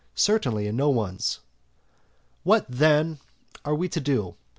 Certainly in no one's. What, then, are we to do?